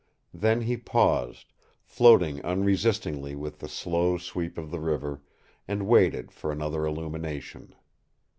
Then he paused, floating unresistingly with the slow sweep of the river, and waited for another illumination.